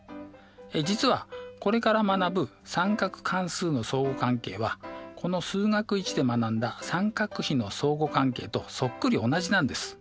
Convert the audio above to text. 実はこれから学ぶ三角関数の相互関係はこの数学Ⅰで学んだ三角比の相互関係とそっくり同じなんです。